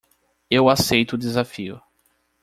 Eu aceito o desafio.